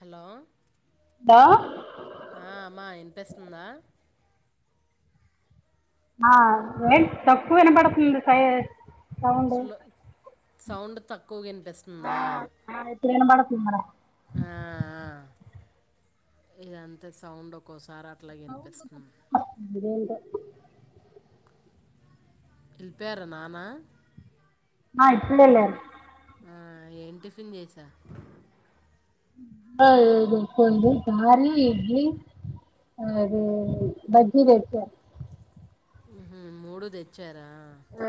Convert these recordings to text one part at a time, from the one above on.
Hello hello ఆ అమా ఇని వినిపిస్తుందా ఆ ఏంటి తక్కువ వినపడుతుంది సై అవుంది స్లో సౌండ్ తక్ కూగ అనిపిస్తుందా వినబడతుండి మేడమ్ ఆ ఇదంతా సౌండ్ ఒకస్ సారట్లాగా వినిపిస్తుంది స [unintelligible] ఎల్లిపోయారా నానా ఆ ఇప్పుడెల్లారు ఆ ఏం టిఫిన్ చేసా గారి ఇడ్లి అదే బజ్జీ దెచ్చ హ మూడు తెచ్చా ఆ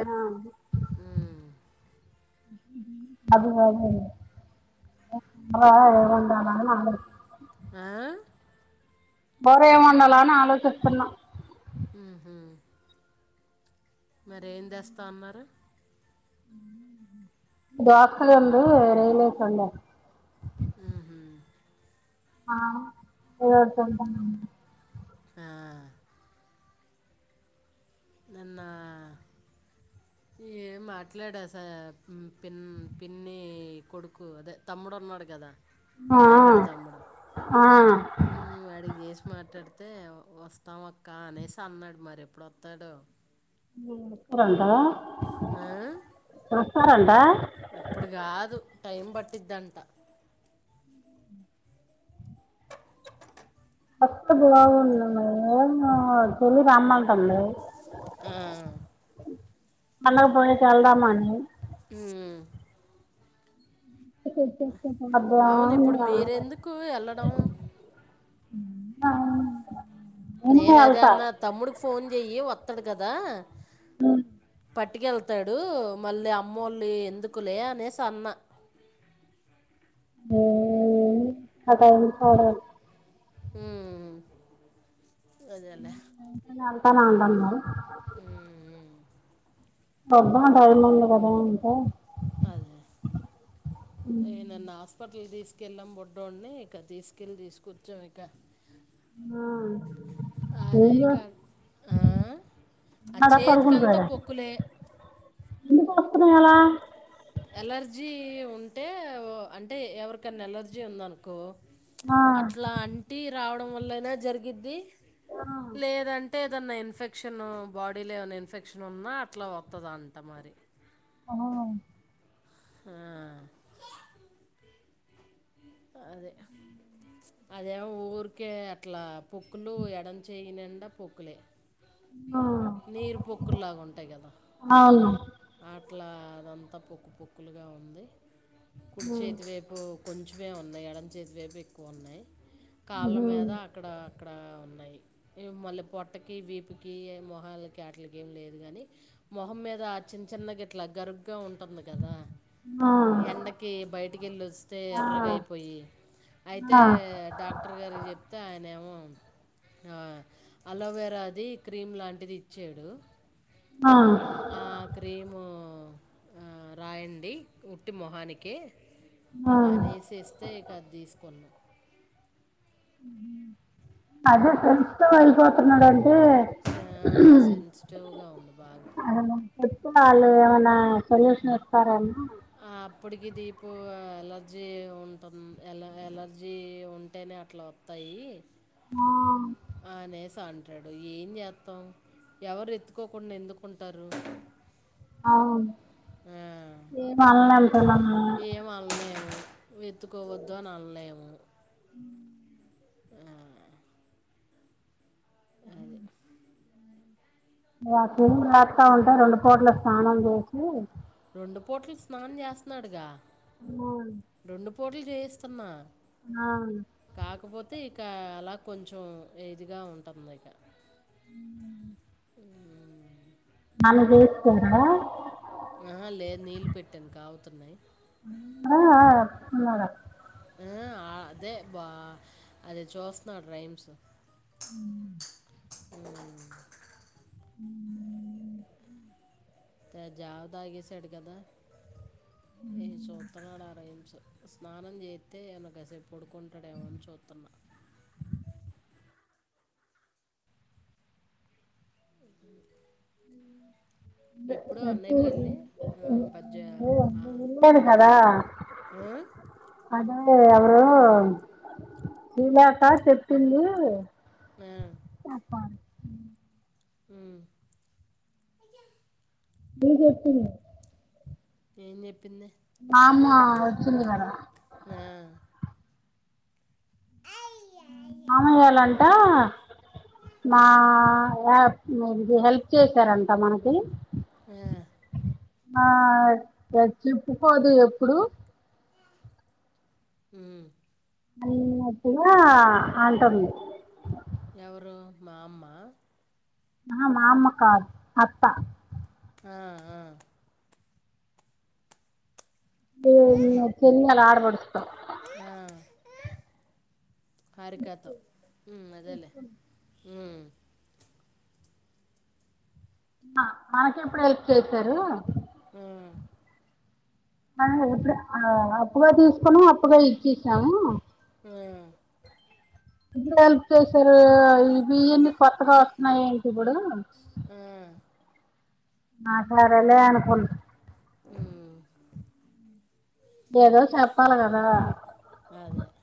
అది అదే అందులో ఎవరుండాలా అని ఆలోచిస్ ఆ కూర ఏం వండాల అని ఆలోచిస్తున్నాం మరి ఏం తెస్తా అన్నారు దవాకలు ఉంది రొయ్యలేసి వండా ఉహు. ఆ ఏదస [unintelligible] ఆ నిన్న ఏం మాట్లాడుస పి పిన్ని కొడుకు అదే తమ్ముడు ఉన్నాడు కదా ఆ రాయగడ తమ్ముడు ఆ వాడికి చేసి మాట్లాడుత అయితే వస్తాం అక్క అనేసి అన్నాడు మరి ఎప్పుడొస్తాడొ పరంద [unintelligible] ఆ వస్తారంట ఇప్పుడు కాదు టైం పట్టి పట్టిదంట ఫస్త బాగు ఏ చెల్లి రమ్మంటంది ఆ పండగకి ఫోన్ చేస్తే కెల్దామా అని ఆ అవును ఇప్పుడు మీరెందుకు వెళ్ళడం ఆ నేనదే అన్న తమ్ముడికి ఫోన్ చెయ్యి వ అతాడు కదా [unintelligible] అవును పట్టుకెళ్తాడు మళ్ళీ అమ్మోళ్ళి ఎందుకులే అనేసి అన్న ఆ టైమ్కి పాడాలి హ్ మ్ అ అందా మరి ఉమ్, అబ్బా డైమండ్ కదా అంటే అదే ఏ నిన్న హస్పట ఇకి తీసుకెళ్ళాం బుడ్డోడిని ఇక తీసుకెళ్ళి తీసుకొచ్చాం ఇక అదే ఏం ఇక చేస్తున్నాడా ఆ ఆ చేతికంతా పడుకుంటున్నాడా పొక్కులే [unintelligible] ఎలర్జీ ఉంటే అంటే ఎవరికన్నా ఎలర్జీ ఉందనుకో ఆ అట్లా అంటి రావ వళ్ళైన జరిగిది లేదంటే ఏదన్న ఇన్ ఇన్ఫెక్షన్ బాడీలో ఏమైనా ఇన్ఫెక్షన్ ఉన్నా అట్లా వత్తదంట మరి ఆ ఆ అదే అదేమో ఊరికే అట్ల పొక్కులు ఎడం చెయి నిండా పొక్కులె ఆ నీరు పొక్కులాగా ఉంటాయి కదా అవును అట్లా అదంతా పొక్కు పొక్కులుగా ఉంది కుడి చేతి వేపు కొంచెమే ఉన్నయి ఎడం చేతి వేపు ఎక్కో ఉన్నాయి కాళ్ళ మీద అక్కడ అక్కడ ఉన్నాయి. మళ్ళీ పొట్టకి, వీపుకి, మొహాలకి ఆట్లకేం లేదు గని మొహం మీద చిన్న చిన్నగా ఇట్ల గరు తక్కువ ఉంటుంది కదా ఆ ఎండకి బయటికెళ్ళి వస్తే ఆ ఎర్రగా అయిపోయి అయితే ఆ డాక్టర్ గారికి చెప్తే ఆయన ఏమో ఆ అలోవేరాది క్రీమ్ లాంటిది ఇచ్చాడు. ఆ ఆ క్రీము ఆ రాయండి ఉట్టి మొహానికే ఆ అనేసి ఇస్తే ఇక అది తీస్కున్నాం ఉ అదే ఉమ్. తెలిస్తే వెళ్ళిపో [unintelligible] టే ఆ, సెన్సిటివ్గా ఉంది బాగా [inaudible] ఏమన్నా సొల్యూషన్ కారామ ఆ అప్పటికి దీపు ఎలర్జీ ఉంటుం ఎ ఎలర్జీ ఉంటేనే అట్ల వత్తాయి ఆ నేస్ త అంటాడు ఏం చేత్తాం ఎవరు ఎత్తుకోకుండా ఎందుకుంటారు అవును ఆ, ఏ వాళ్ళని అంటున్నాము ను ఎత్తుకోవద్దు అన్ అన్లేము. మ్ గదే ఆ పురుగులు అత్తఉంటయి రెండు పూట్ల స్నానం చేసి రొండు పూట్ల స్నానం చేస్తున్నాడుగా హ పుటలా చేయిస్తున్నా కాకపోతే ఇంకా అలా కొంచెం ఏదిగా ఉంటుంది ఇక హ్మ్ హ్మ్ ఆమె చేసుకుందా ఆ లేదు నీళ్ళు పెట్టాను కాగుతున్నాయ్ [unintelligible] అదే బా అది చూస్తున్నాడు రైమ్స్ త జవ తాగేసాడు కదా ఏ సూత్తన్నాడ ఆ రైమ్స్ స్నానం చేయిత్తే ఏమన్నా కాసేపు పడుకుంటాడేమోని చూస్తున్నా ఎప్పుడు అన్నయ్య పెళ్ళి ఆ, పద్ద ఆ, ఉండరు కదా ఆ? అ మరి ఎవరో సుజాత చెప్పింది ఆ, చెప్పాలి హ్మ్ మీకు చెప్పింది ఏంచేప్ మామ్మ వచ్చింది కదా ఆ, మామయ్యాలంట మా ఇది హెల్ప్ చేసారంట మనకి ఆ, ఆ ఎ చెప్పుకోదు ఎప్పుడు హ్మ్ అన్నట్టుగా అంటుంది ఎవరు మామ్మ ఆ మామ్మ కాదు అత్తా ఆ ఆ ఆహా, ఇ చెల్లెలా ఆడ పడుచకో హారికాతో హ్మ్ అదేలేే హ్మ్ మనకి ఎప్పుడు హెల్ప్ చేసారు ఆ, అ ఎప్పుడుఆ అప్పుగా తీసుకుని అప్పుగా ఇచ్చేసాము హ్మ్ ఇద్దరు హెల్ప్ చేసారు ఈ బియ్యన్ని కొత్తగా వస్తున్నాయి ఇప్పుడు ఆ, ఆ సరే లే అనుకున్ ఉమ్, ఏదో చెప్పాల గాదా అదే